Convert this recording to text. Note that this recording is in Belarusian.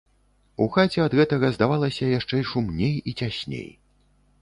У хаце ад гэтага здавалася яшчэ шумней і цясней.